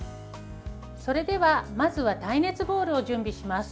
それでは、まずは耐熱ボウルを準備します。